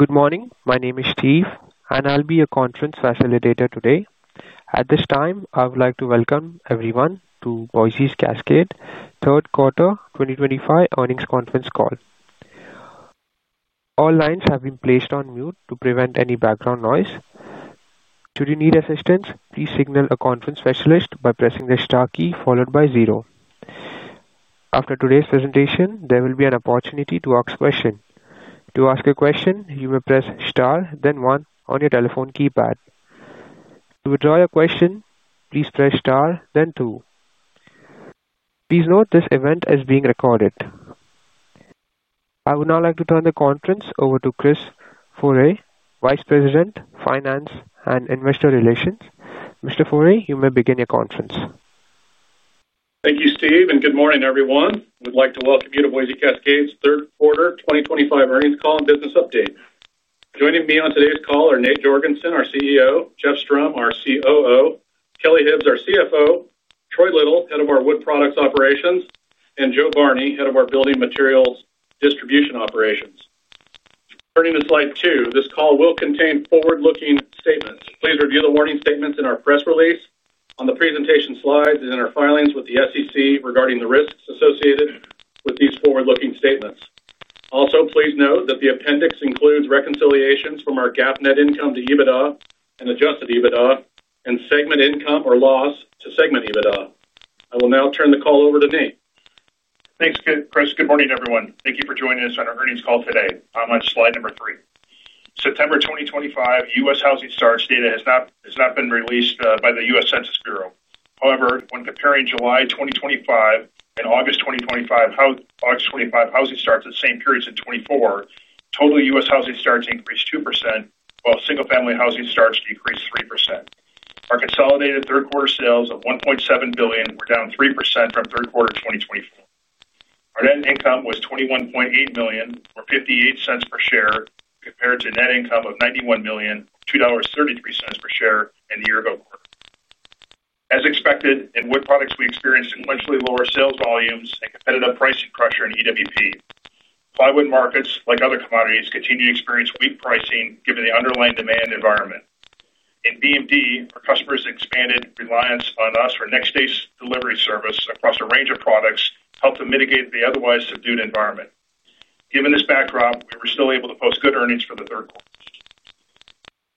Good morning. My name is Steve, and I'll be your conference facilitator today. At this time, I would like to welcome everyone to Boise Cascade's third quarter 2025 earnings conference call. All lines have been placed on mute to prevent any background noise. Should you need assistance, please signal a conference specialist by pressing the star key followed by zero. After today's presentation, there will be an opportunity to ask a question. To ask a question, you may press star, then one, on your telephone keypad. To withdraw your question, please press star, then two. Please note this event is being recorded. I would now like to turn the conference over to Chris Forrey, Vice President, Finance and Investor Relations. Mr. Forrey, you may begin your conference. Thank you, Steve, and good morning, everyone. We'd like to welcome you to Boise Cascade's third quarter 2025 earnings call and business update. Joining me on today's call are Nate Jorgensen, our CEO, Jeff Strom, our COO, Kelly Hibbs, our CFO, Troy Little, head of our wood products operations, and Jo Barney, head of our building materials distribution operations. Turning to slide two, this call will contain forward-looking statements. Please review the warning statements in our press release, on the presentation slides, and in our filings with the SEC regarding the risks associated with these forward-looking statements. Also, please note that the appendix includes reconciliations from our GAAP net income to EBITDA and adjusted EBITDA, and segment income or loss to segment EBITDA. I will now turn the call over to Nate. Thanks, Chris. Good morning, everyone. Thank you for joining us on our earnings call today. I'm on slide number three. September 2025 U.S. housing starts data has not been released by the U.S. Census Bureau. However, when comparing July 2025 and August 2025 housing starts at the same periods in 2024, total U.S. housing starts increased 2%, while single-family housing starts decreased 3%. Our consolidated third-quarter sales of $1.7 billion were down 3% from third quarter 2024. Our net income was $21.8 million, or $0.58 per share, compared to net income of $91 million, or $2.33 per share, in the year-ago quarter. As expected, in wood products, we experienced sequentially lower sales volumes and competitive pricing pressure in EWP. Plywood markets, like other commodities, continue to experience weak pricing given the underlying demand environment. In BMD, our customers' expanded reliance on us for next-day delivery service across a range of products helped to mitigate the otherwise subdued environment. Given this backdrop, we were still able to post good earnings for the third quarter.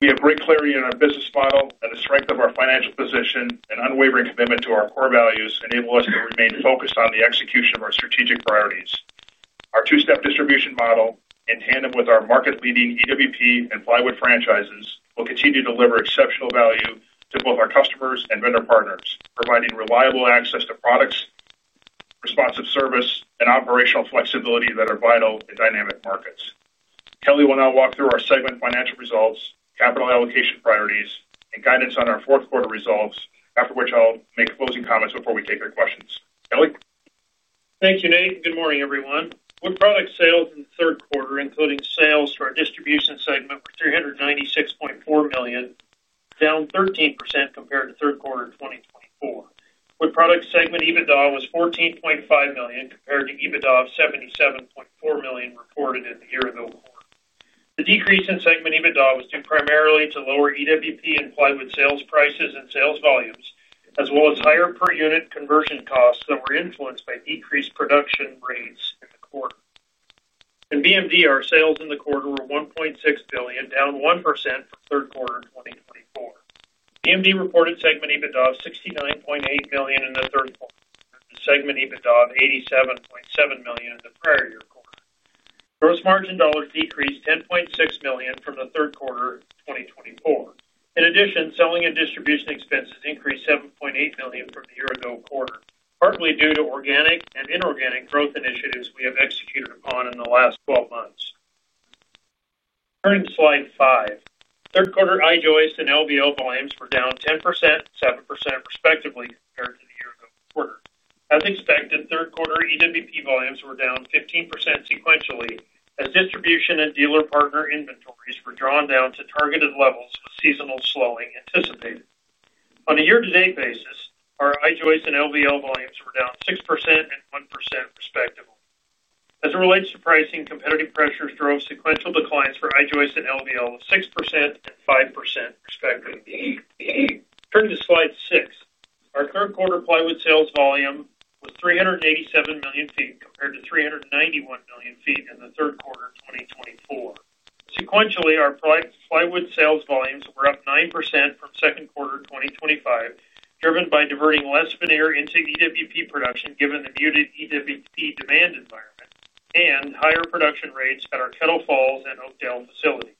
We have great clarity in our business model, and the strength of our financial position and unwavering commitment to our core values enable us to remain focused on the execution of our strategic priorities. Our two-step distribution model, in tandem with our market-leading EWP and plywood franchises, will continue to deliver exceptional value to both our customers and vendor partners, providing reliable access to products, responsive service, and operational flexibility that are vital in dynamic markets. Kelly will now walk through our segment financial results, capital allocation priorities, and guidance on our fourth-quarter results, after which I'll make closing comments before we take your questions. Kelly? Thank you, Nate. Good morning, everyone. Wood product sales in the third quarter, including sales to our distribution segment, were $396.4 million, down 13% compared to third quarter 2024. Wood product segment EBITDA was $14.5 million compared to EBITDA of $77.4 million reported in the year-ago quarter. The decrease in segment EBITDA was due primarily to lower EWP and plywood sales prices and sales volumes, as well as higher per-unit conversion costs that were influenced by decreased production rates in the quarter. In BMD, our sales in the quarter were $1.6 billion, down 1% from third quarter 2024. BMD reported segment EBITDA of $69.8 million in the third quarter compared to segment EBITDA of $87.7 million in the prior year quarter. Gross margin dollars decreased $10.6 million from the third quarter 2024. In addition, selling and distribution expenses increased $7.8 million from the year-ago quarter, partly due to organic and inorganic growth initiatives we have executed upon in the last 12 months. Turning to slide five, third-quarter I-Joist and LVL volumes were down 10% and 7% respectively compared to the year-ago quarter. As expected, third quarter EWP volumes were down 15% sequentially as distribution and dealer partner inventories were drawn down to targeted levels with seasonal slowing anticipated. On a year-to-date basis, our I-Joist and LVL volumes were down 6% and 1% respectively. As it relates to pricing, competitive pressures drove sequential declines for I-Joist and LVL of 6% and 5% respectively. Turning to slide six, our third-quarter plywood sales volume was $387 million compared to $391 million in the third quarter 2024. Sequentially, our plywood sales volumes were up 9% from second quarter 2025, driven by diverting less veneer into EWP production given the muted EWP demand environment and higher production rates at our Kettle Falls and Oakdale facilities.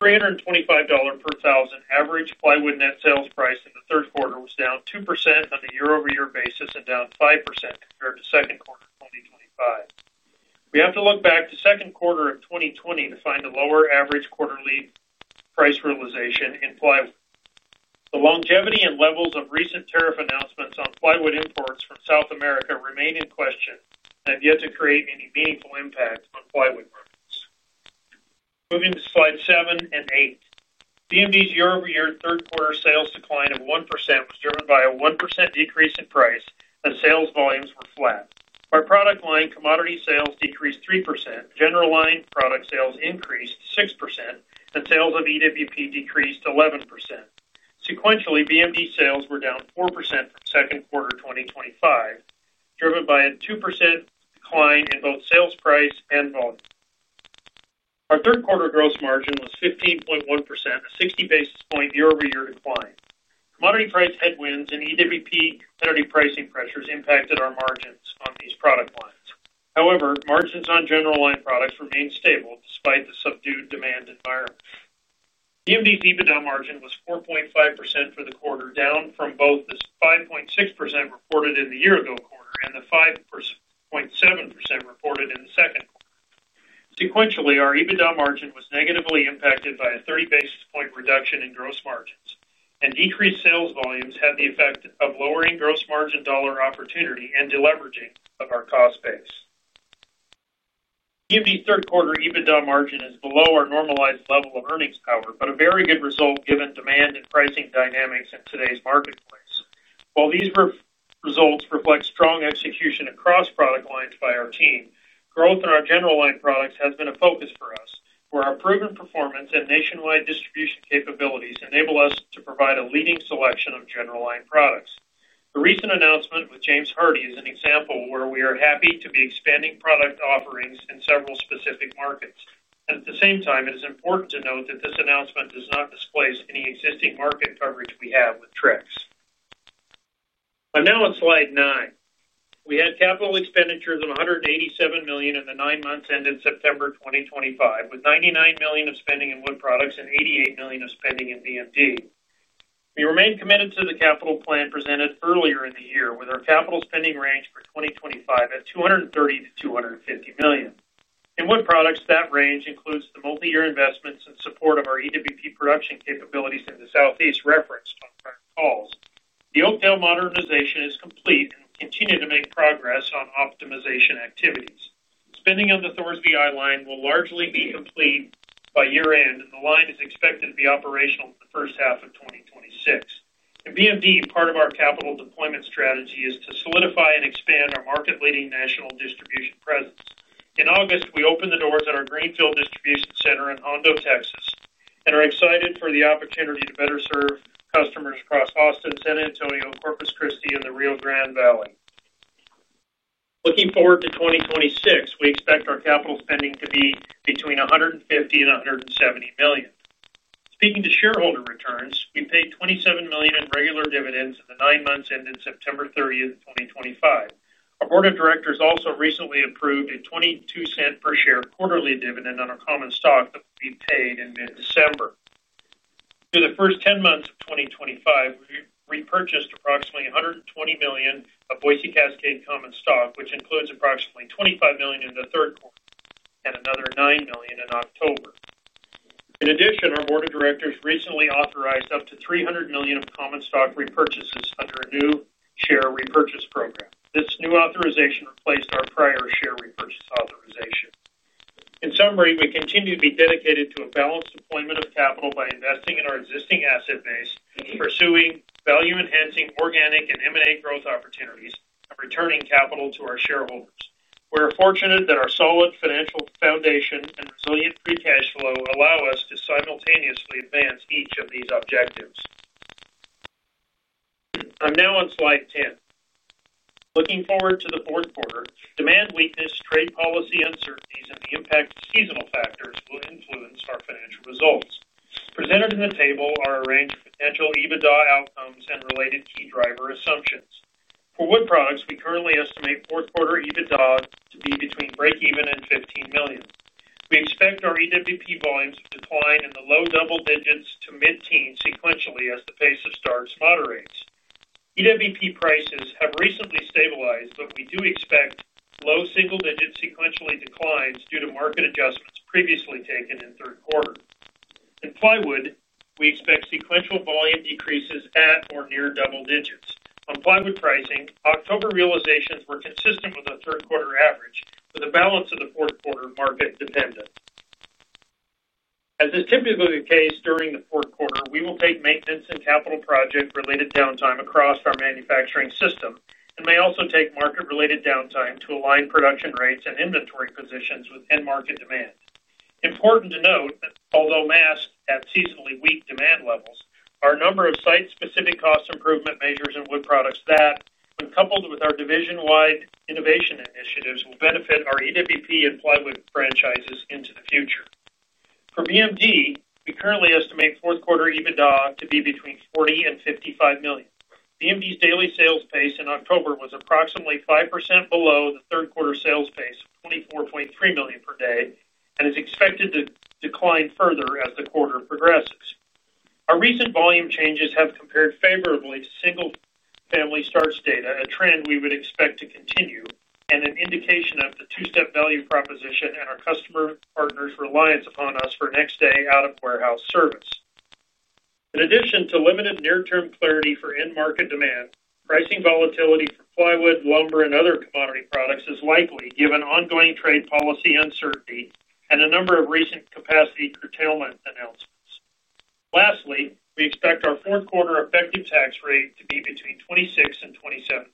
The $325 per thousand average plywood net sales price in the third quarter was down 2% on a year-over-year basis and down 5% compared to second quarter 2025. We have to look back to second quarter of 2020 to find a lower average quarterly price realization in plywood. The longevity and levels of recent tariff announcements on plywood imports from South America remain in question and have yet to create any meaningful impact on plywood markets. Moving to slide seven and eight, BMD's year-over-year third-quarter sales decline of 1% was driven by a 1% decrease in price and sales volumes were flat. By product line, commodity sales decreased 3%. General line product sales increased 6%, and sales of EWP decreased 11%. Sequentially, BMD sales were down 4% from second quarter 2025, driven by a 2% decline in both sales price and volume. Our third-quarter gross margin was 15.1%, a 60 basis point year-over-year decline. Commodity price headwinds and EWP and competitive pricing pressures impacted our margins on these product lines. However, margins on general line products remained stable despite the subdued demand environment. BMD's EBITDA margin was 4.5% for the quarter, down from both the 5.6% reported in the year-ago quarter and the 5.7% reported in the second quarter. Sequentially, our EBITDA margin was negatively impacted by a 30 basis point reduction in gross margins, and decreased sales volumes had the effect of lowering gross margin dollar opportunity and deleveraging of our cost base. BMD's third-quarter EBITDA margin is below our normalized level of earnings power, but a very good result given demand and pricing dynamics in today's marketplace. While these results reflect strong execution across product lines by our team, growth in our general line products has been a focus for us, where our proven performance and nationwide distribution capabilities enable us to provide a leading selection of general line products. The recent announcement with James Hardie is an example where we are happy to be expanding product offerings in several specific markets. At the same time, it is important to note that this announcement does not displace any existing market coverage we have with Trex. I'm now at slide nine. We had capital expenditures of $187 million in the nine months ended September 2025, with $99 million of spending in wood products and $88 million of spending in BMD. We remained committed to the capital plan presented earlier in the year, with our capital spending range for 2025 at $230 million-$250 million. In wood products, that range includes the multi-year investments in support of our EWP production capabilities in the southeast referenced on prior calls. The Oakdale modernization is complete and we continue to make progress on optimization activities. Spending on the Thorsby [AL] line will largely be complete by year-end, and the line is expected to be operational in the first half of 2026. In BMD, part of our capital deployment strategy is to solidify and expand our market-leading national distribution presence. In August, we opened the doors at our Greenfield Distribution Center in Hondo, Texas, and are excited for the opportunity to better serve customers across Austin, San Antonio, Corpus Christi, and the Rio Grande Valley. Looking forward to 2026, we expect our capital spending to be between $150 million and $170 million. Speaking to shareholder returns, we paid $27 million in regular dividends in the nine months ended September 30th, 2025. Our board of directors also recently approved a $0.22 per share quarterly dividend on a common stock that will be paid in mid-December. Through the first 10 months of 2025, we repurchased approximately $120 million of Boise Cascade common stock, which includes approximately $25 million in the third quarter and another $9 million in October. In addition, our board of directors recently authorized up to $300 million of common stock repurchases under a new share repurchase program. This new authorization replaced our prior share repurchase authorization. In summary, we continue to be dedicated to a balanced deployment of capital by investing in our existing asset base, pursuing value-enhancing organic and M&A growth opportunities, and returning capital to our shareholders. We are fortunate that our solid financial foundation and resilient free cash flow allow us to simultaneously advance each of these objectives. I'm now on slide 10. Looking forward to the fourth quarter, demand weakness, trade policy uncertainties, and the impact of seasonal factors will influence our financial results. Presented in the table are a range of potential EBITDA outcomes and related key driver assumptions. For wood products, we currently estimate fourth-quarter EBITDA to be between break-even and $15 million. We expect our EWP volumes to decline in the low double digits to mid-teen sequentially as the pace of starts moderates. EWP prices have recently stabilized, but we do expect low single-digit sequentially declines due to market adjustments previously taken in third quarter. In plywood, we expect sequential volume decreases at or near double digits. On plywood pricing, October realizations were consistent with the third-quarter average, with a balance of the fourth-quarter market dependent. As is typically the case during the fourth quarter, we will take maintenance and capital project-related downtime across our manufacturing system and may also take market-related downtime to align production rates and inventory positions with end market demand. Important to note that although masked at seasonally weak demand levels, our number of site-specific cost improvement measures in wood products that, when coupled with our division-wide innovation initiatives, will benefit our EWP and plywood franchises into the future. For BMD, we currently estimate fourth-quarter EBITDA to be between $40 million and $55 million. BMD's daily sales pace in October was approximately 5% below the third-quarter sales pace of $24.3 million per day and is expected to decline further as the quarter progresses. Our recent volume changes have compared favorably to single-family starts data, a trend we would expect to continue, and an indication of the two-step value proposition and our customer partners' reliance upon us for next-day out-of-warehouse service. In addition to limited near-term clarity for end market demand, pricing volatility for plywood, lumber, and other commodity products is likely given ongoing trade policy uncertainty and a number of recent capacity curtailment announcements. Lastly, we expect our fourth-quarter effective tax rate to be between 26% and 27%.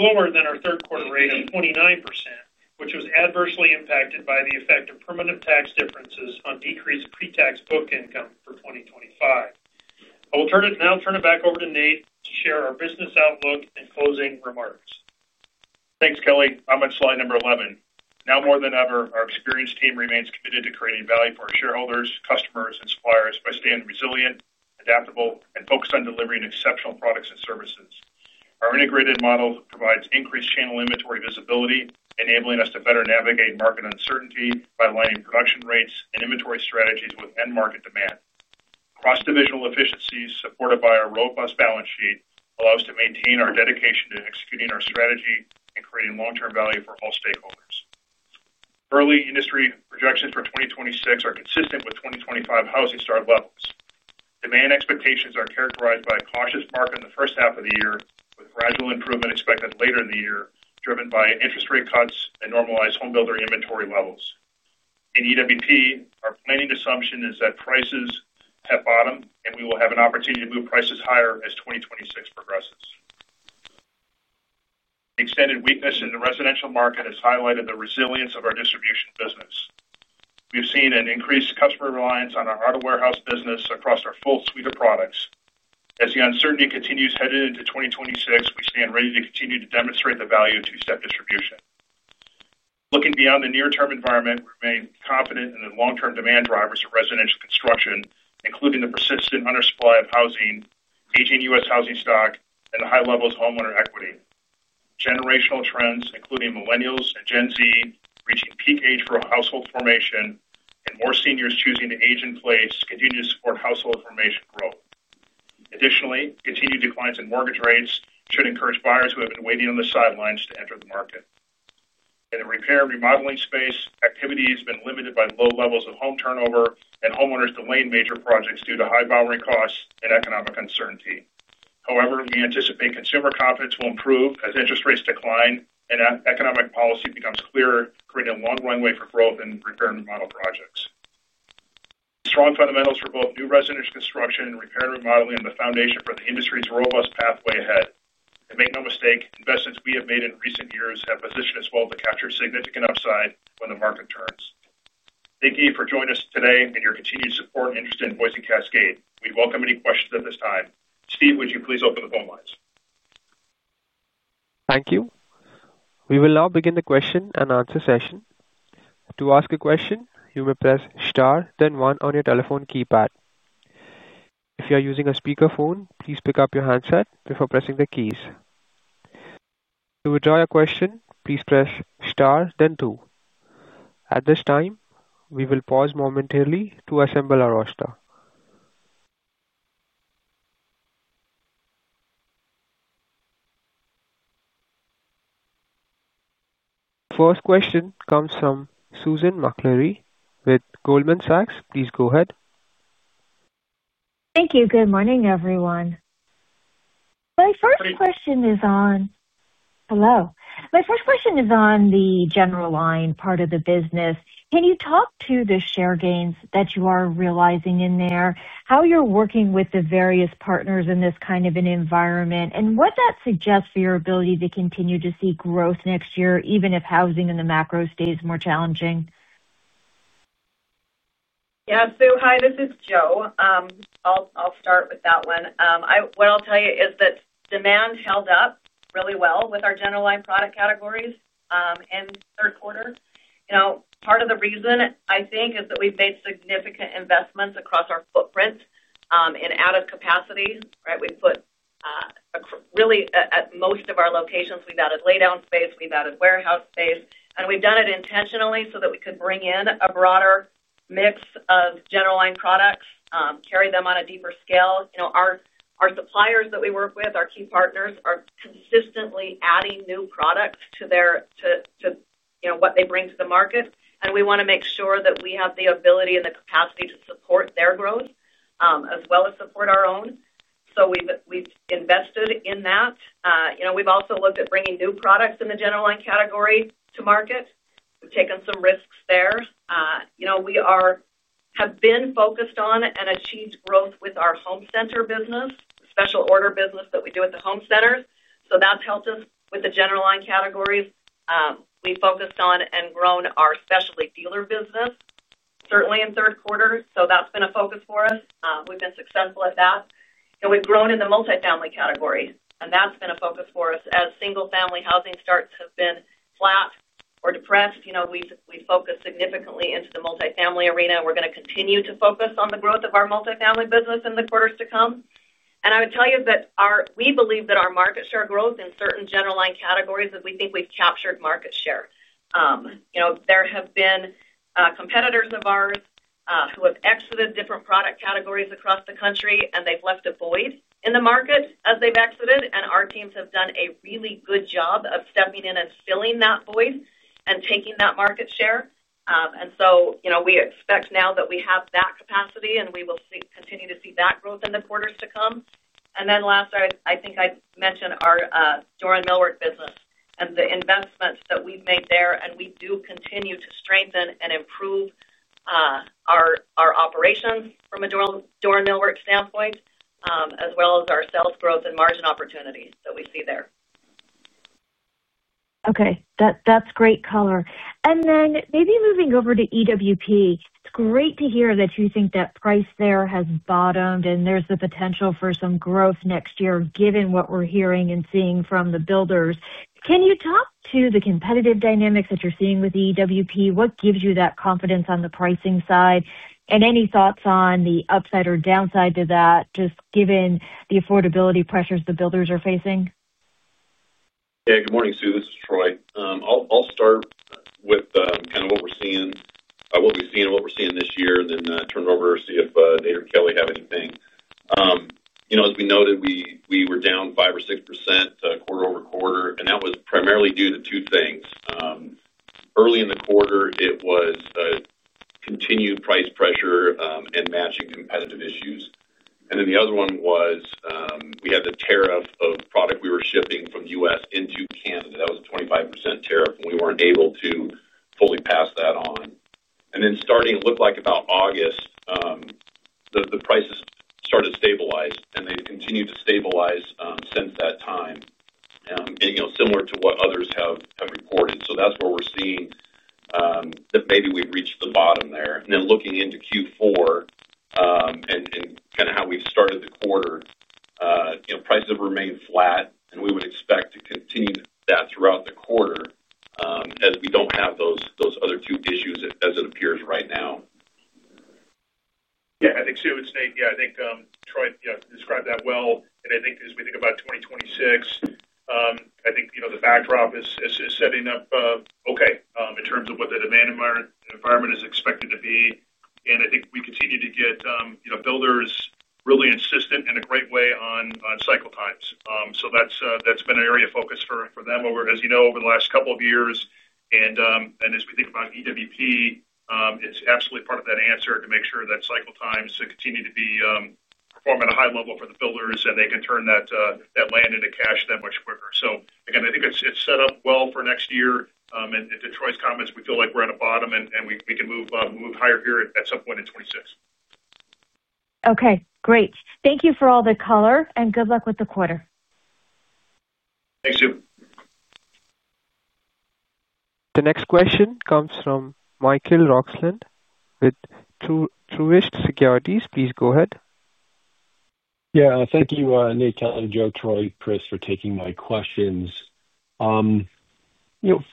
This is lower than our third-quarter rate of 29%, which was adversely impacted by the effect of permanent tax differences on decreased pre-tax book income for 2025. I will now turn it back over to Nate to share our business outlook and closing remarks. Thanks, Kelly. I'm at slide number 11. Now more than ever, our experienced team remains committed to creating value for our shareholders, customers, and suppliers by staying resilient, adaptable, and focused on delivering exceptional products and services. Our integrated model provides increased channel inventory visibility, enabling us to better navigate market uncertainty by aligning production rates and inventory strategies with end market demand. Cross-divisional efficiencies, supported by our robust balance sheet, allow us to maintain our dedication to executing our strategy and creating long-term value for all stakeholders. Early industry projections for 2026 are consistent with 2025 housing starts levels. Demand expectations are characterized by a cautious market in the first half of the year, with gradual improvement expected later in the year, driven by interest rate cuts and normalized home builder inventory levels. In EWP, our planning assumption is that prices have bottomed and we will have an opportunity to move prices higher as 2026 progresses. The extended weakness in the residential market has highlighted the resilience of our distribution business. We've seen an increased customer reliance on our auto warehouse business across our full suite of products. As the uncertainty continues headed into 2026, we stand ready to continue to demonstrate the value of two-step distribution. Looking beyond the near-term environment, we remain confident in the long-term demand drivers of residential construction, including the persistent undersupply of housing, aging U.S. housing stock, and the high levels of homeowner equity. Generational trends, including millennials and Gen Z reaching peak age for household formation and more seniors choosing to age in place, continue to support household formation growth. Additionally, continued declines in mortgage rates should encourage buyers who have been waiting on the sidelines to enter the market. In the repair and remodeling space, activity has been limited by low levels of home turnover and homeowners delaying major projects due to high borrowing costs and economic uncertainty. However, we anticipate consumer confidence will improve as interest rates decline and economic policy becomes clearer, creating a long runway for growth in repair and remodel projects. Strong fundamentals for both new residential construction and repair and remodeling are the foundation for the industry's robust pathway ahead, and make no mistake, investments we have made in recent years have positioned us well to capture significant upside when the market turns. Thank you for joining us today and your continued support and interest in Boise Cascade. We'd welcome any questions at this time. Steve, would you please open the phone lines? Thank you. We will now begin the question and answer session. To ask a question, you may press star, then one on your telephone keypad. If you are using a speaker phone, please pick up your handset before pressing the keys. To withdraw your question, please press star, then two. At this time, we will pause momentarily to assemble our roster. The first question comes from Susan Maklari with Goldman Sachs. Please go ahead. Thank you. Good morning, everyone. My first question is on. Hello. My first question is on the general line part of the business. Can you talk to the share gains that you are realizing in there, how you're working with the various partners in this kind of an environment, and what that suggests for your ability to continue to see growth next year, even if housing and the macro stays more challenging? Yeah. So, hi. This is Jo. I'll start with that one. What I'll tell you is that demand held up really well with our general line product categories in third quarter. Part of the reason, I think, is that we've made significant investments across our footprint in added capacity. We've put. Really, at most of our locations, we've added lay-down space, we've added warehouse space. And we've done it intentionally so that we could bring in a broader mix of general line products, carry them on a deeper scale. Our suppliers that we work with, our key partners, are consistently adding new products to what they bring to the market. And we want to make sure that we have the ability and the capacity to support their growth as well as support our own. So we've invested in that. We've also looked at bringing new products in the general line category to market. We've taken some risks there. We have been focused on and achieved growth with our home center business, the special order business that we do at the home centers. So that's helped us with the general line categories. We focused on and grown our specialty dealer business. Certainly in third quarter. So that's been a focus for us. We've been successful at that. And we've grown in the multifamily category. And that's been a focus for us. As single-family housing starts have been flat or depressed, we've focused significantly into the multifamily arena. We're going to continue to focus on the growth of our multifamily business in the quarters to come. And I would tell you that we believe that our market share growth in certain general line categories is we think we've captured market share. There have been competitors of ours who have exited different product categories across the country, and they've left a void in the market as they've exited. And our teams have done a really good job of stepping in and filling that void and taking that market share. And so we expect now that we have that capacity, and we will continue to see that growth in the quarters to come. And then last, I think I mentioned our door and millwork business and the investments that we've made there. And we do continue to strengthen and improve our operations from a door and millwork standpoint, as well as our sales growth and margin opportunities that we see there. Okay. That's great color. And then maybe moving over to EWP. It's great to hear that you think that price there has bottomed and there's the potential for some growth next year, given what we're hearing and seeing from the builders. Can you talk to the competitive dynamics that you're seeing with EWP? What gives you that confidence on the pricing side? And any thoughts on the upside or downside to that, just given the affordability pressures the builders are facing? Yeah. Good morning, Sue. This is Troy. I'll start with kind of what we're seeing, what we've seen, and what we're seeing this year, and then turn it over to see if Nate or Kelly have anything. As we noted, we were down 5% or 6% quarter-over-quarter, and that was primarily due to two things. Early in the quarter, it was continued price pressure and matching competitive issues, and then the other one was we had the tariff of product we were shipping from the U.S. into Canada. That was a 25% tariff, and we weren't able to fully pass that on. And then starting, it looked like about August, the prices started to stabilize, and they've continued to stabilize since that time, similar to what others have reported. So that's where we're seeing that maybe we've reached the bottom there. And then looking into Q4 and kind of how we've started the quarter, prices have remained flat, and we would expect to continue that throughout the quarter as we don't have those other two issues as it appears right now. Yeah. I think, Sue, it's Nate, yeah, I think Troy described that well. And I think as we think about 2026, I think the backdrop is setting up okay in terms of what the demand environment is expected to be. And I think we continue to get builders really insistent in a great way on cycle times. So that's been an area of focus for them, as you know, over the last couple of years. And as we think about EWP, it's absolutely part of that answer to make sure that cycle times continue to perform at a high level for the builders and they can turn that land into cash that much quicker. So again, I think it's set up well for next year, and to Troy's comments, we feel like we're at a bottom and we can move higher here at some point in 2026. Okay. Great. Thank you for all the color, and good luck with the quarter. Thanks, Sue. The next question comes from Michael Roxland with Truist Securities. Please go ahead. Yeah. Thank you, Nate, Kelly, Jo, Troy, Chris, for taking my questions.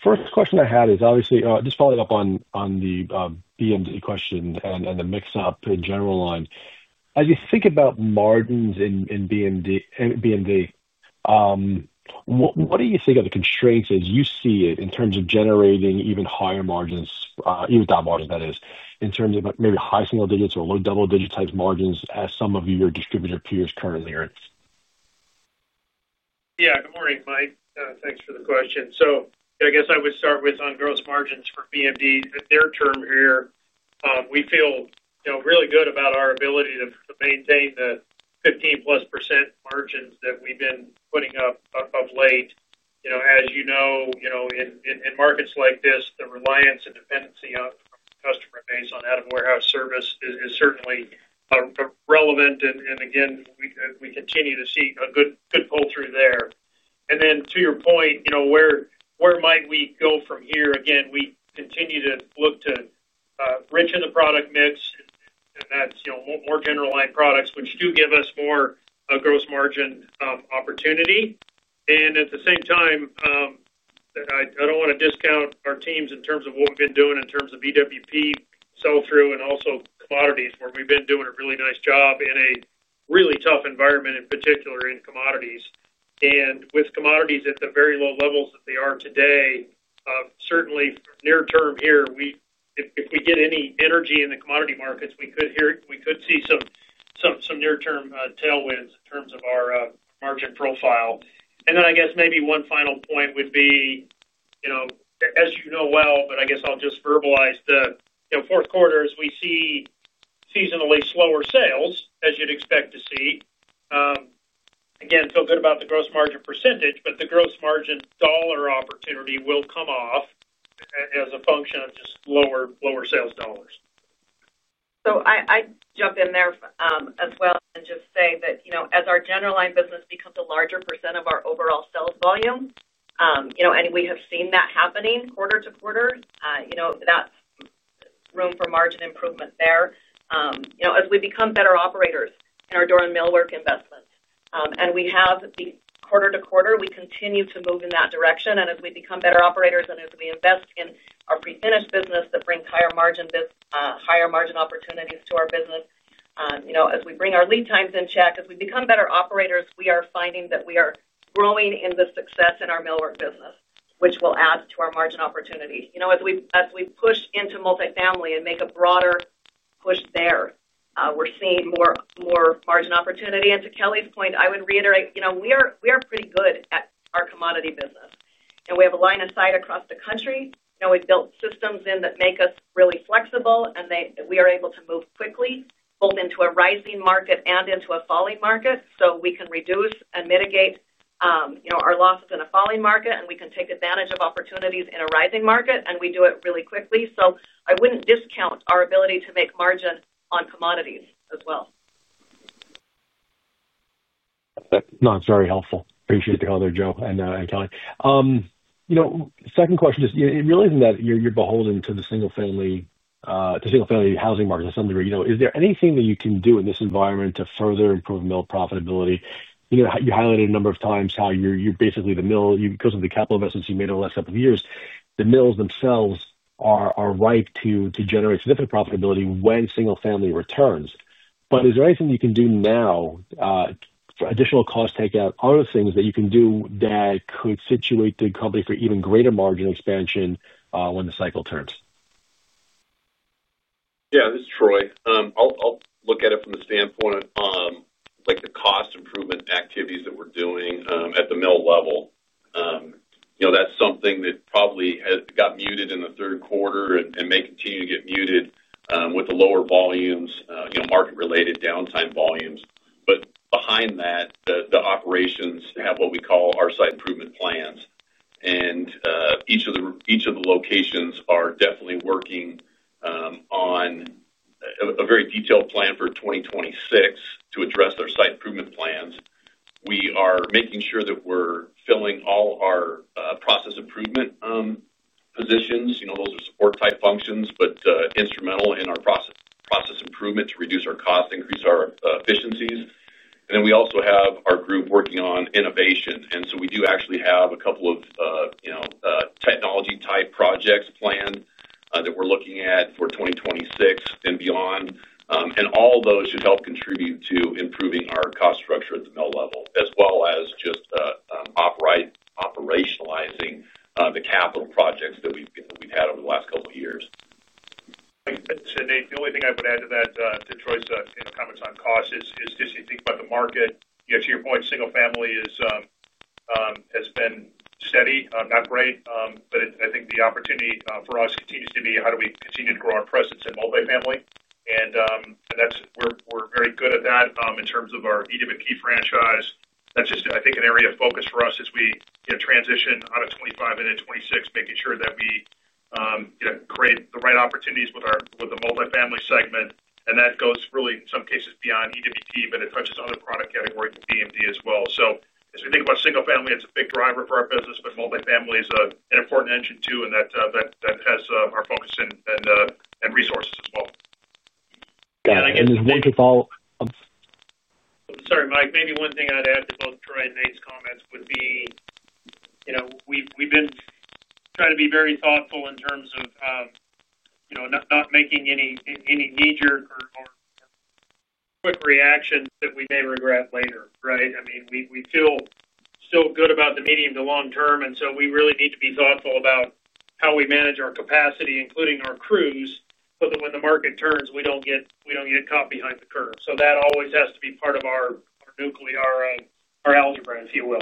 First question I had is obviously just following up on the BMD question and the mix-up in general line. As you think about margins in BMD, what do you think are the constraints as you see it in terms of generating even higher margins, even top margins, that is, in terms of maybe high single digits or low double digit-type margins as some of your distributor peers currently are? Yeah. Good morning, Mike. Thanks for the question. So I guess I would start with on gross margins for BMD, their term here. We feel really good about our ability to maintain the 15%+ margins that we've been putting up of late. As you know, in markets like this, the reliance and dependency on customer base on out-of-warehouse service is certainly relevant, and again, we continue to see a good pull-through there. To your point, where might we go from here? Again, we continue to look to enrich the product mix, and that's more general line products, which do give us more gross margin opportunit, and. at the same time, I don't want to discount our teams in terms of what we've been doing in terms of EWP, sell-through, and also commodities, where we've been doing a really nice job in a really tough environment, in particular in commodities. With commodities at the very low levels that they are today, certainly near-term here, if we get any energy in the commodity markets, we could see some near-term tailwinds in terms of our margin profile. And then I guess maybe one final point would be, as you know well, but I guess I'll just verbalize the fourth quarter, as we see seasonally slower sales, as you'd expect to see. Again, feel good about the gross margin percentage, but the gross margin dollar opportunity will come off as a function of just lower sales dollars. So I jump in there as well and just say that as our general line business becomes a larger percent of our overall sales volume, and we have seen that happening quarter to quarter, that's room for margin improvement there. As we become better operators in our door and millwork investments, and we have the quarter-to-quarter, we continue to move in that direction, and as we become better operators and as we invest in our prefinished business that brings higher margin opportunities to our business. As we bring our lead times in check, as we become better operators, we are finding that we are growing in the success in our millwork business, which will add to our margin opportunity. As we push into multifamily and make a broader push there, we're seeing more margin opportunity, and to Kelly's point, I would reiterate, we are pretty good at our commodity business, and we have a line of sight across the country. We've built systems in that make us really flexible, and we are able to move quickly both into a rising market and into a falling market so we can reduce and mitigate our losses in a falling market, and we can take advantage of opportunities in a rising market, and we do it really quickly, so I wouldn't discount our ability to make margin on commodities as well. No, it's very helpful. Appreciate the other, Jo and Kelly. Second question is, realizing that you're beholden to the single-family housing market in some degree, is there anything that you can do in this environment to further improve mill profitability? You highlighted a number of times how you're basically the mill, because of the capital investments you made over the last couple of years, the mills themselves are ripe to generate significant profitability when single-family returns. But is there anything you can do now for additional cost takeout, other things that you can do that could situate the company for even greater margin expansion when the cycle turns? Yeah. This is Troy. I'll look at it from the standpoint of the cost improvement activities that we're doing at the mill level. That's something that probably got muted in the third quarter and may continue to get muted with the lower volumes, market-related downtime volumes. But behind that, the operations have what we call our site improvement plans, and each of the locations are definitely working on a very detailed plan for 2026 to address their site improvement plans. We are making sure that we're filling all our process improvement positions. Those are support-type functions, but instrumental in our process improvement to reduce our cost, increase our efficiencies. And then we also have our group working on innovation, and so we do actually have a couple of technology-type projects planned that we're looking at for 2026 and beyond. And all of those should help contribute to improving our cost structure at the mill level, as well as just operationalizing the capital projects that we've had over the last couple of years. It's Nate. The only thing I would add to that, to Troy's comments on cost, is just you think about the market. To your point, single-family has been steady, not great. But I think the opportunity for us continues to be how do we continue to grow our presence in multifamily. And we're very good at that in terms of our EWP franchise. That's just, I think, an area of focus for us as we transition out of 2025 into 2026, making sure that we create the right opportunities with the multifamily segment. And that goes really, in some cases, beyond EWP, but it touches other product categories with BMD as well. As we think about single-family, it's a big driver for our business, but multifamily is an important engine too, and that has our focus and resources as well. Yeah, and to follow. Sorry, Mike. Maybe one thing I'd add to both Troy and Nate's comments would be. We've been trying to be very thoughtful in terms of not making any knee-jerk or quick reactions that we may regret later, right? I mean, we feel still good about the medium to long term, and so we really need to be thoughtful about how we manage our capacity, including our crews, so that when the market turns, we don't get caught behind the curve. So that always has to be part of our algebra, if you will.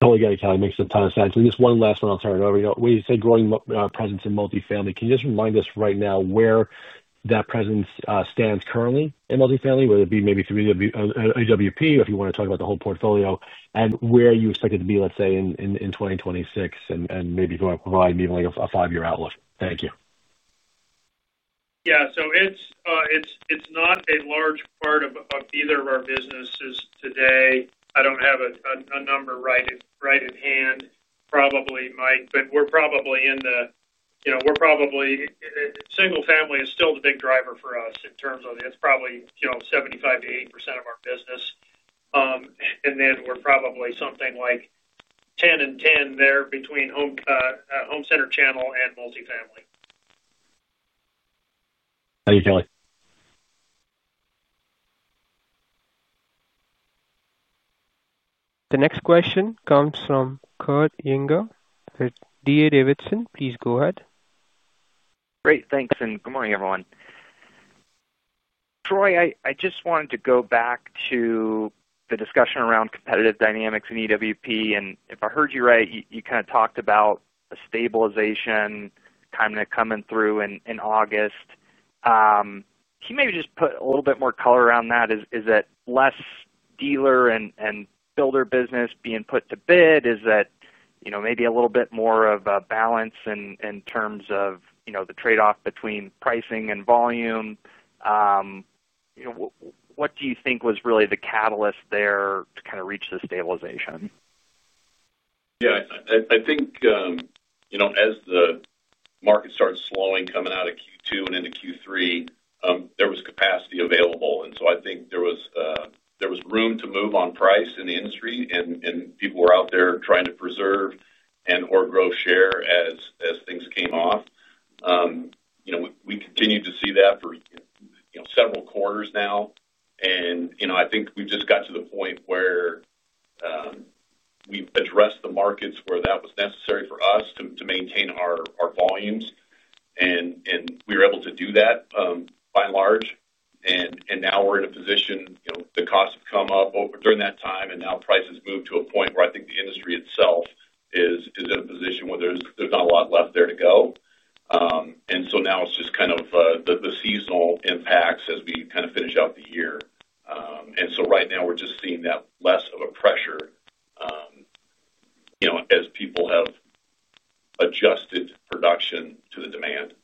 Totally got it, Kelly. Makes a ton of sense. Just one last one, I'll turn it over. When you say growing our presence in multifamily, can you just remind us right now where that presence stands currently in multifamily, whether it be maybe through EWP or if you want to talk about the whole portfolio, and where you expect it to be, let's say, in 2026, and maybe provide me with a five-year outlook? Thank you. Yeah. So it's not a large part of either of our businesses today. I don't have a number right at hand, probably, Mike. Single-family is still the big driver for us in terms of it's probably 75%-80% of our business. And then we're probably something like 10% and 10% there between home center channel and multifamily. Thank you, Kelly. The next question comes from Kurt Yinger, D.A. Davidson. Please go ahead. Great. Thanks, and good morning, everyone. Troy, I just wanted to go back to the discussion around competitive dynamics in EWP. And if I heard you right, you kind of talked about a stabilization kind of coming through in August. Can you maybe just put a little bit more color around that? Is it less dealer and builder business being put to bid? Is it maybe a little bit more of a balance in terms of the trade-off between pricing and volume? What do you think was really the catalyst there to kind of reach the stabilization? Yeah, I think as the market started slowing coming out of Q2 and into Q3, there was capacity available, and so I think there was room to move on price in the industry, and people were out there trying to preserve and/or grow share as things came off. We continue to see that for several quarters now, and I think we've just got to the point where we've addressed the markets where that was necessary for us to maintain our volumes, and we were able to do that by and large. And now we're in a position, the costs have come up during that time, and now prices move to a point where I think the industry itself is in a position where there's not a lot left there to go, and so now it's just kind of the seasonal impacts as we kind of finish out the year, and so right now, we're just seeing less of a pressure as people have adjusted production to the demand.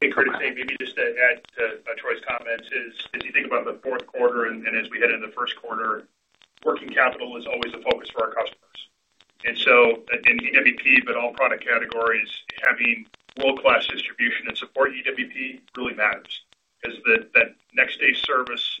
Hey, Kurt. And maybe just to add to Troy's comments, as you think about the fourth quarter and as we head into the first quarter, working capital is always a focus for our customers, and so in EWP but all product categories, having world-class distribution and support in EWP really matters because that next-day service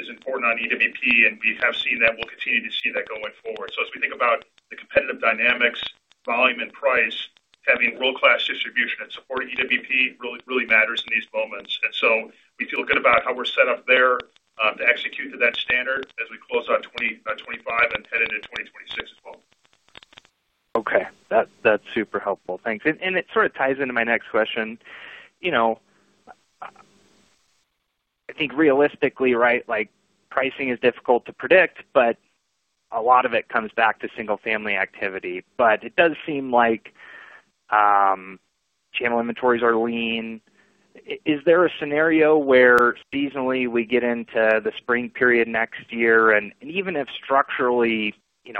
is important on EWP, and we have seen that. We'll continue to see that going forward, so as we think about the competitive dynamics, volume, and price, having world-class distribution and support in EWP really matters in these moments, and so we feel good about how we're set up there to execute to that standard as we close out 2025 and head into 2026 as well. Okay. That's super helpful. Thanks. And it sort of ties into my next question. I think realistically, right, pricing is difficult to predict, but a lot of it comes back to single-family activity. But it does seem like channel inventories are lean. Is there a scenario where seasonally we get into the spring period next year, and even if structurally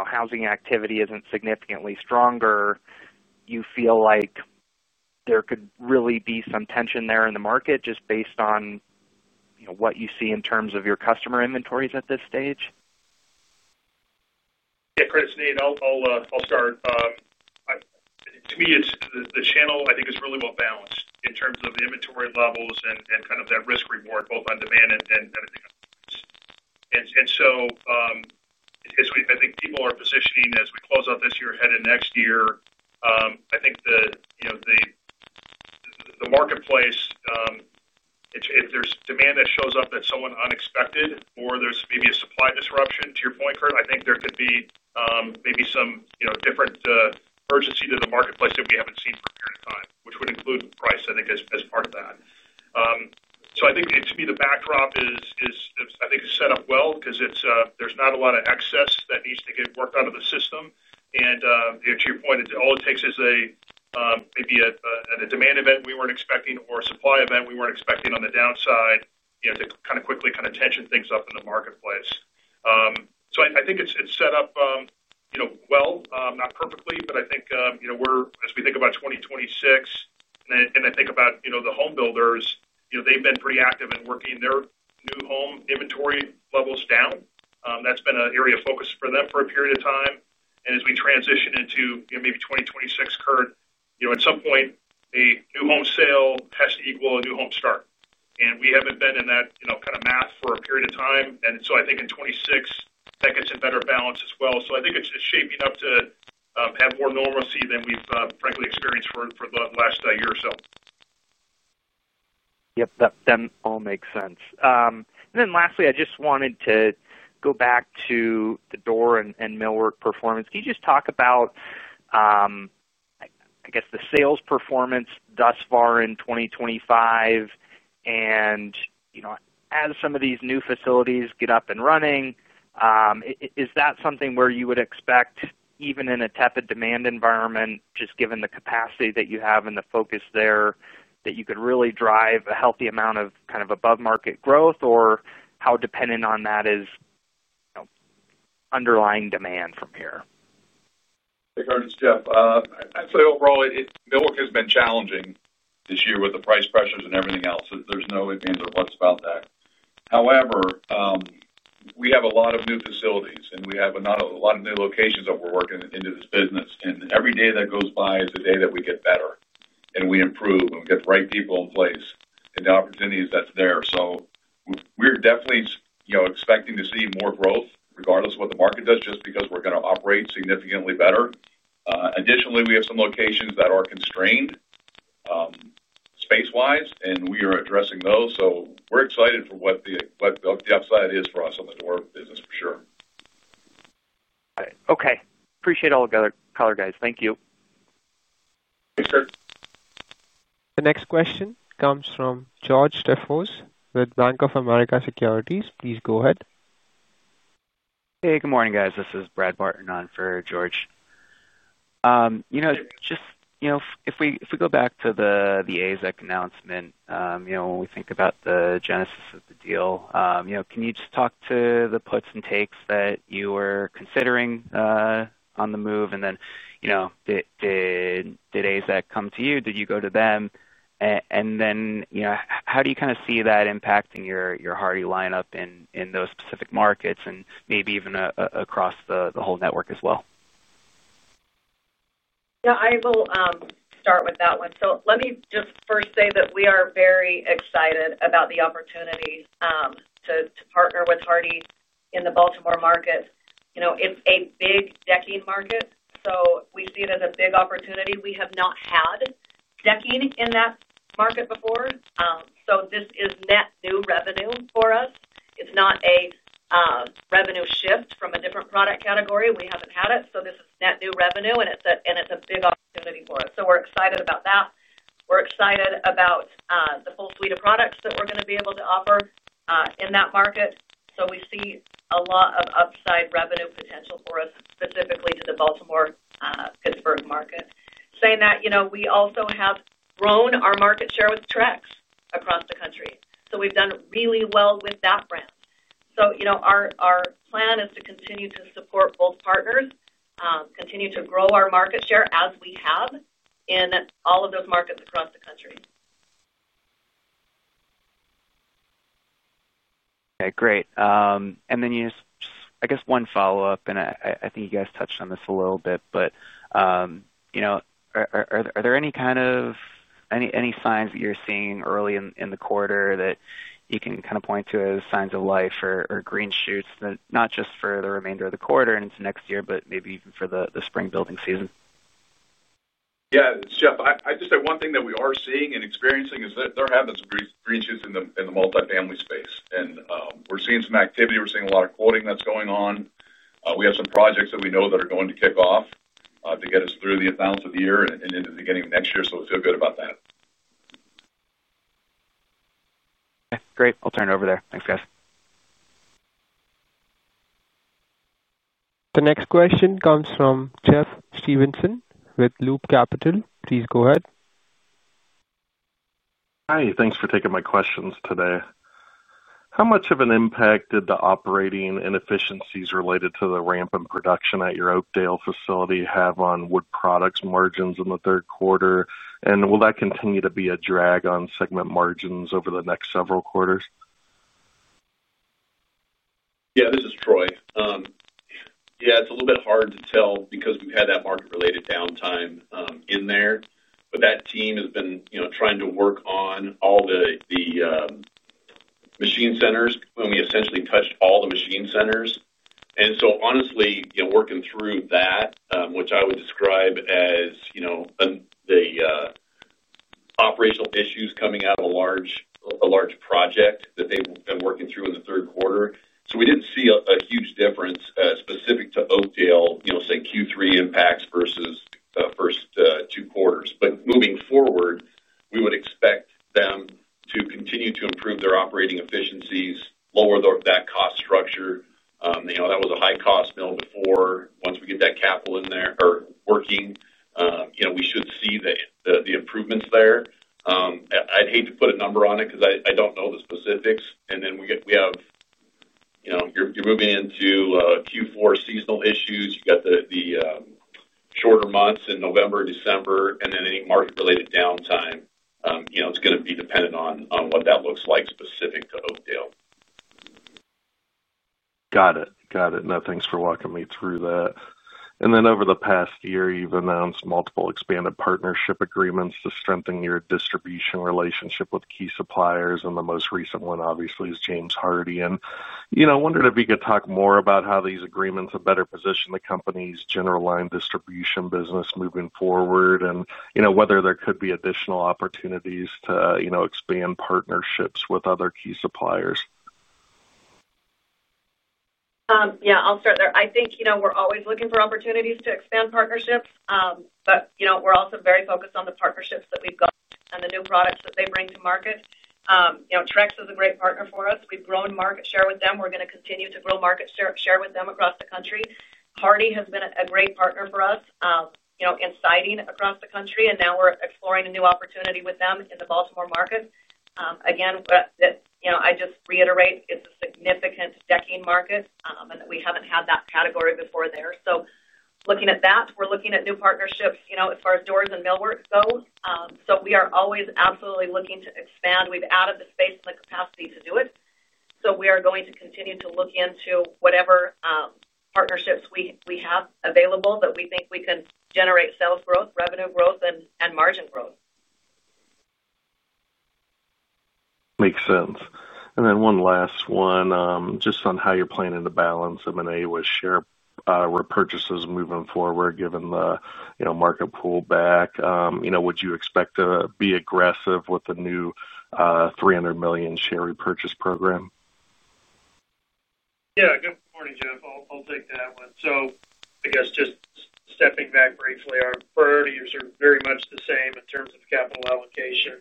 housing activity isn't significantly stronger, you feel like there could really be some tension there in the market just based on what you see in terms of your customer inventories at this stage? Yeah, Kurt. It's Nate. I'll start. To me, the channel, I think, is really well-balanced in terms of inventory levels and kind of that risk-reward, both on demand and everything else. And so, I think people are positioning as we close out this year, heading next year. I think the marketplace if there's demand that shows up that's somewhat unexpected, or there's maybe a supply disruption, to your point, Kurt, I think there could be maybe some different urgency to the marketplace that we haven't seen for a period of time, which would include price, I think, as part of that. So, I think to me, the backdrop is, I think, set up well because there's not a lot of excess that needs to get worked out of the system. And to your point, all it takes is maybe a demand event we weren't expecting or a supply event we weren't expecting on the downside to kind of quickly kind of tension things up in the marketplace. I think it's set up well, not perfectly, but I think as we think about 2026, and I think about the home builders, they've been pretty active in working their new home inventory levels down. That's been an area of focus for them for a period of time. And as we transition into maybe 2026, Kurt, at some point, a new home sale has to equal a new home start. And we haven't been in that kind of math for a period of time. And so, I think in 2026, that gets a better balance as well. So, I think it's just shaping up to have more normalcy than we've frankly experienced for the last year or so. Yep. That all makes sense. And then lastly, I just wanted to go back to the door and millwork performance. Can you just talk about, I guess, the sales performance thus far in 2025? And as some of these new facilities get up and running, is that something where you would expect, even in a tepid demand environment, just given the capacity that you have and the focus there, that you could really drive a healthy amount of kind of above-market growth, or how dependent on that is underlying demand from here? Hey, Kurt. It's Jeff. I'd say overall, millwork has been challenging this year with the price pressures and everything else. There's no advantage or whatnot about that. However, we have a lot of new facilities, and we have a lot of new locations that we're working into this business. And every day that goes by is a day that we get better, and we improve, and we get the right people in place, and the opportunities that's there. So we're definitely expecting to see more growth regardless of what the market does, just because we're going to operate significantly better. Additionally, we have some locations that are constrained space-wise, and we are addressing those. So we're excited for what the upside is for us on the door business, for sure. Got it. Okay. Appreciate all the color, guys. Thank you. Thanks, Kurt. The next question comes from George Staphos with Bank of America Securities. Please go ahead. Hey, good morning, guys. This is Brad Barton on for George. Just if we go back to the [AZEK] announcement, when we think about the genesis of the deal, can you just talk to the puts and takes that you were considering on the move? And then did [AZEK] come to you? Did you go to them? And then how do you kind of see that impacting your Hardie lineup in those specific markets and maybe even across the whole network as well? Yeah. I will start with that one. So let me just first say that we are very excited about the opportunity to partner with Hardie in the Baltimore market. It's a big decking market, so we see it as a big opportunity. We have not had decking in that market before. So this is net new revenue for us. It's not a revenue shift from a different product category. We haven't had it. So this is net new revenue, and it's a big opportunity for us. So we're excited about that. We're excited about the full suite of products that we're going to be able to offer in that market. So we see a lot of upside revenue potential for us, specifically to the Baltimore Pittsburgh market. Saying that, we also have grown our market share with Trex across the country. So we've done really well with that brand. So our plan is to continue to support both partners, continue to grow our market share as we have in all of those markets across the country. Okay. Great. And then just, I guess, one follow-up, and I think you guys touched on this a little bit, but are there any kind of signs that you're seeing early in the quarter that you can kind of point to as signs of life or green shoots, not just for the remainder of the quarter and into next year, but maybe even for the spring building season? Yeah. It's Jeff. I'd just say one thing that we are seeing and experiencing is that there have been some green shoots in the multifamily space, and we're seeing some activity. We're seeing a lot of quoting that's going on. We have some projects that we know that are going to kick off to get us through the balance of the year and into the beginning of next year, so we feel good about that. Okay. Great. I'll turn it over there. Thanks, guys. The next question comes from Jeff Stevenson with Loop Capital. Please go ahead. Hi. Thanks for taking my questions today. How much of an impact did the operating inefficiencies related to the ramp in production at your Oakdale facility have on wood products margins in the third quarter? And will that continue to be a drag on segment margins over the next several quarters? Yeah. This is Troy. Yeah. It's a little bit hard to tell because we've had that market-related downtime in there. But that team has been trying to work on all the machine centers when we essentially touched all the machine centers. And so honestly, working through that, which I would describe as the operational issues coming out of a large project that they've been working through in the third quarter. Yeah. I'll start there. I think we're always looking for opportunities to expand partnerships, but we're also very focused on the partnerships that we've got and the new products that they bring to market. Trex is a great partner for us. We've grown market share with them. We're going to continue to grow market share with them across the country. Hardie has been a great partner for us in siding across the country, and now we're exploring a new opportunity with them in the Baltimore market. Again, I just reiterate, it's a significant decking market, and we haven't had that category before there. So looking at that, we're looking at new partnerships as far as doors and millwork goes. So we are always absolutely looking to expand. We've added the space and the capacity to do it. So we are going to continue to look into whatever partnerships we have available that we think we can generate sales growth, revenue growth, and margin growth. Makes sense. And then one last one, just on how you're planning to balance M&A with share repurchases moving forward, given the market pullback. Would you expect to be aggressive with the new $300 million share repurchase program? Yeah. Good morning, Jeff. I'll take that one. So I guess just stepping back briefly, our priorities are very much the same in terms of capital allocation.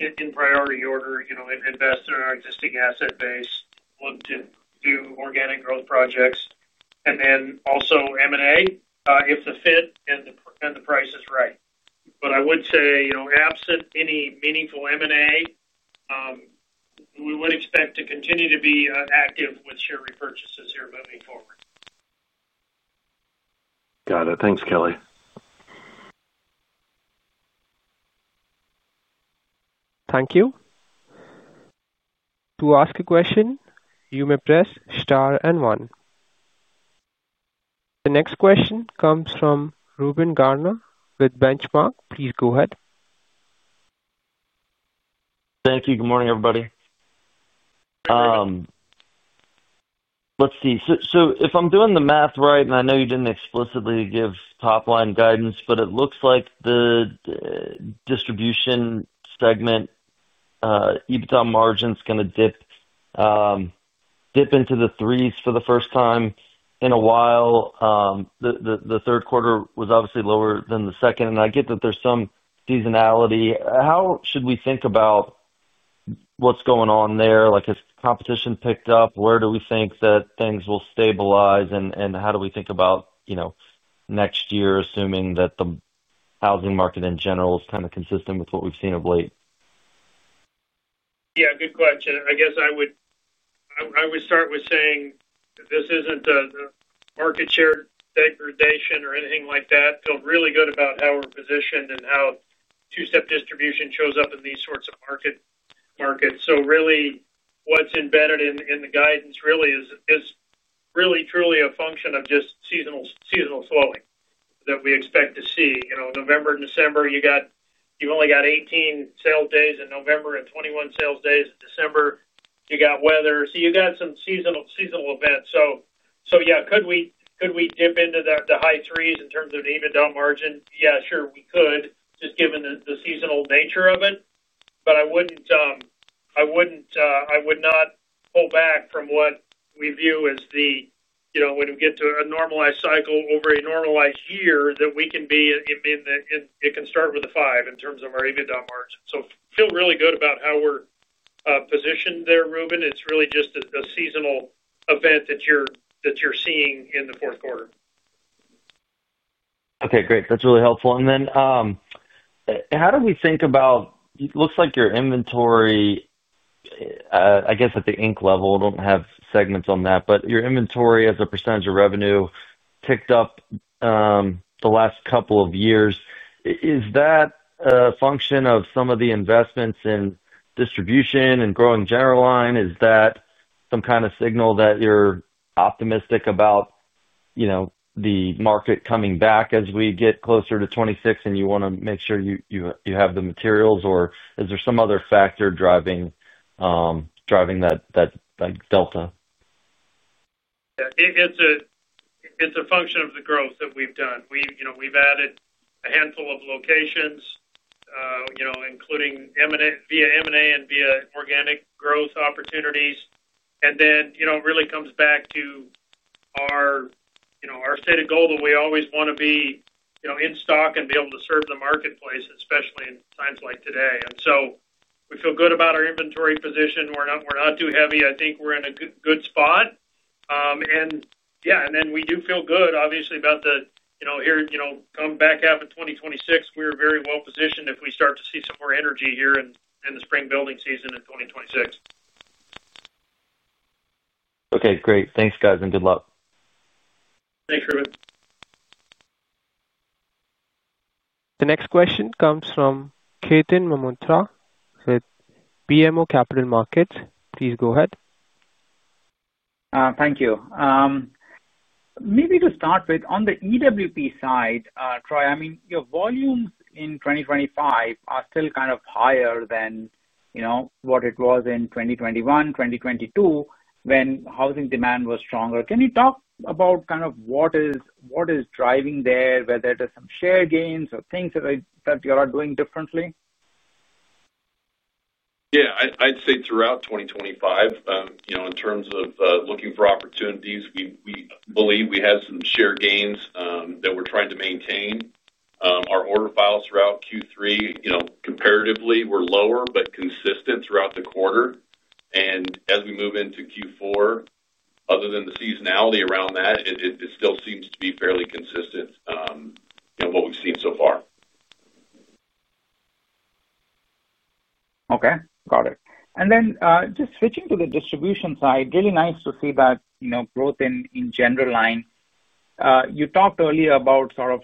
In priority order, invest in our existing asset base, look to do organic growth projects. And then also M&A if the fit and the price is right. But I would say absent any meaningful M&A. We would expect to continue to be active with share repurchases here moving forward. Got it. Thanks, Kelly. Thank you. To ask a question, you may press star and one. The next question comes from Reuben Garner with Benchmark. Please go ahead. Thank you. Good morning, everybody. Let's see. So if I'm doing the math right, and I know you didn't explicitly give top-line guidance, but it looks like the Distribution segment EBITDA margin is going to dip into the threes for the first time in a while. The third quarter was obviously lower than the second. And I get that there's some seasonality. How should we think about what's going on there? Has competition picked up? Where do we think that things will stabilize? And how do we think about next year, assuming that the housing market in general is kind of consistent with what we've seen of late? Yeah. Good question. I guess I would start with saying this isn't a market share degradation or anything like that. I feel really good about how we're positioned and how two-step distribution shows up in these sorts of markets. So really, what's embedded in the guidance really is really, truly a function of just seasonal slowing that we expect to see. November and December, you've only got 18 sales days in November and 21 sales days in December. You got weather. So you got some seasonal events. So yeah, could we dip into the high threes in terms of the EBITDA margin? Yeah, sure, we could, just given the seasonal nature of it. But I wouldn't not pull back from what we view as the. When we get to a normalized cycle over a normalized year, that we can be in the it can start with a five in terms of our EBITDA margin. So I feel really good about how we're positioned there, Reuben. It's really just a seasonal event that you're seeing in the fourth quarter. Okay. Great. That's really helpful. And then, how do we think about, it looks like your inventory, I guess at the Inc. level, I don't have segments on that, but your inventory as a percentage of revenue ticked up the last couple of years. Is that a function of some of the investments in distribution and growing general line? Is that some kind of signal that you're optimistic about the market coming back as we get closer to 2026, and you want to make sure you have the materials? Or is there some other factor driving that delta? It's a function of the growth that we've done. We've added a handful of locations, including via M&A and via organic growth opportunities. Then it really comes back to our sweet spot that we always want to be in stock and be able to serve the marketplace, especially in times like today. So we feel good about our inventory position. We're not too heavy. I think we're in a good spot. Yeah. We do feel good, obviously, about the recovery coming out of 2026. We're very well positioned if we start to see some more energy here in the spring building season in 2026. Okay. Great. Thanks, guys, and good luck. Thanks, Reuben. The next question comes from Ketan Mamtora with BMO Capital Markets. Please go ahead. Thank you. Maybe to start with, on the EWP side, Troy, I mean, your volumes in 2025 are still kind of higher than what it was in 2021, 2022, when housing demand was stronger. Can you talk about kind of what is driving there, whether it is some share gains or things that you are doing differently? Yeah. I'd say throughout 2025, in terms of looking for opportunities, we believe we have some share gains that we're trying to maintain. Our order files throughout Q3, comparatively, were lower but consistent throughout the quarter, and as we move into Q4, other than the seasonality around that, it still seems to be fairly consistent, what we've seen so far. Okay. Got it. And then just switching to the distribution side, really nice to see that growth in general line. You talked earlier about sort of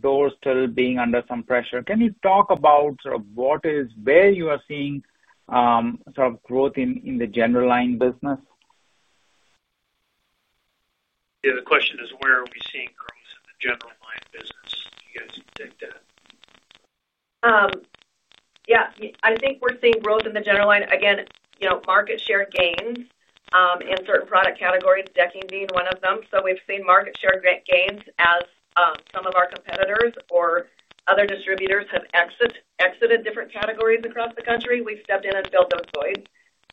doors still being under some pressure. Can you talk about sort of where you are seeing sort of growth in the general line business? Yeah. The question is, where are we seeing growth in the general line business? You guys can take that. Yeah. I think we're seeing growth in the general line. Again, market share gains in certain product categories, decking being one of them. So we've seen market share gains as some of our competitors or other distributors have exited different categories across the country. We've stepped in and filled those voids.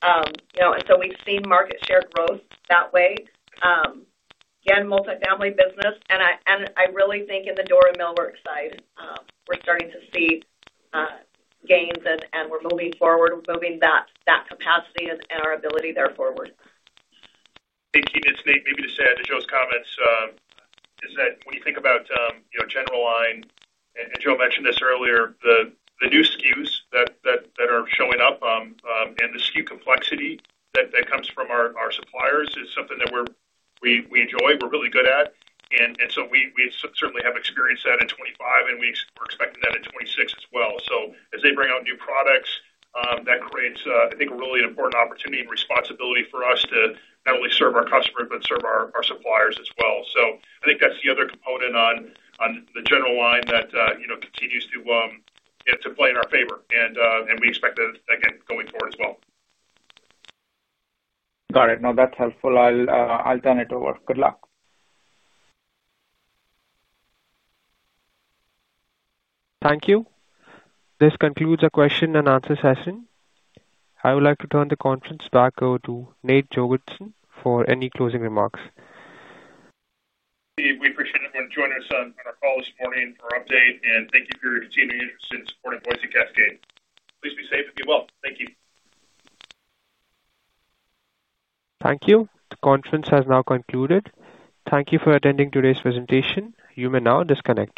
And so we've seen market share growth that way. Again, multifamily business. And I really think in the door and millwork side, we're starting to see gains, and we're moving forward, moving that capacity and our ability there forward. Ketan, it's Nate. Maybe to add to Jo's comments. That is when you think about general line, and Jo mentioned this earlier, the new SKUs that are showing up and the SKU complexity that comes from our suppliers is something that we enjoy. We're really good at. And so we certainly have experienced that in 2025, and we're expecting that in 2026 as well. So as they bring out new products, that creates, I think, a really important opportunity and responsibility for us to not only serve our customers but serve our suppliers as well. So I think that's the other component on the general line that continues to play in our favor. And we expect that, again, going forward as well. Got it. No, that's helpful. I'll turn it over. Good luck. Thank you. This concludes our question and answer session. I would like to turn the conference back over to Nate Jorgensen for any closing remarks. We appreciate everyone joining us on our call this morning for an update, and thank you for your continuing interest in supporting Boise Cascade. Please be safe and be well. Thank you. Thank you. The conference has now concluded. Thank you for attending today's presentation. You may now disconnect.